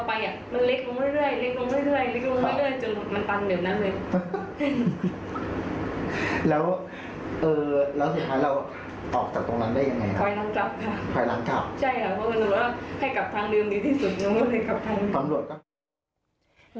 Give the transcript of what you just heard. ใช่เพราะว่าให้กลับทางเดินดีที่สุด